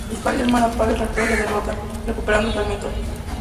Spider-Man apaga el reactor y la derrota, recuperando el fragmento.